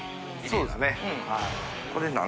そうですね。